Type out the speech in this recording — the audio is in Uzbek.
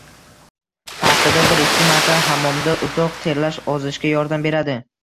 Haftada bir-ikki marta hammomda uzoq terlash ozishga yordam beradi.